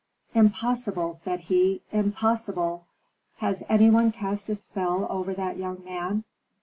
"Impossible!" said he. "Impossible! Has any one cast a spell over that young man?